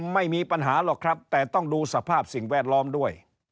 ไม่มีปัญหาหรอกครับแต่ต้องดูสภาพสิ่งแวดล้อมด้วย